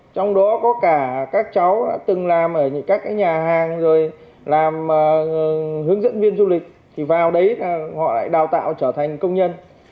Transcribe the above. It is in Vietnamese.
trong đó có cả các cháu đã từng làm ở các nhà hàng rồi làm hướng dẫn viên du lịch thì vào đấy là họ lại đào tạo trở thành công nhân